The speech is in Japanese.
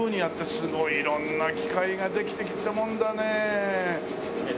すごい色んな機械ができてきたもんだねえ。